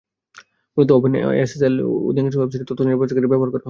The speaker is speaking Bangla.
মূলত ওপেন এসএসএল অধিকাংশ ওয়েবসাইটে তথ্য নিরাপত্তার ক্ষেত্রে ব্যবহার করা হয়।